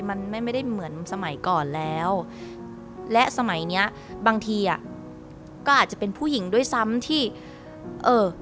มันไม่ไม่ได้เหมือนสมัยก่อนแล้วและสมัยเนี้ยบางทีอ่ะก็อาจจะเป็นผู้หญิงด้วยซ้ำที่เออ